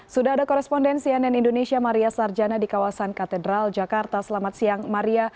sudah ada korespondensi ann indonesia maria sarjana di kawasan katedral jakarta selamat siang maria